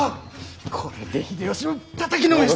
これで秀吉をたたきのめして。